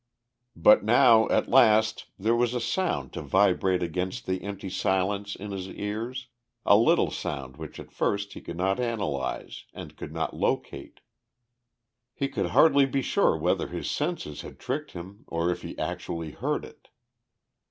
But now at last there was a sound to vibrate against the empty silence in his ears, a little sound which at first he could not analyse and could not locate. He could hardly be sure whether his senses had tricked him or if he actually heard it.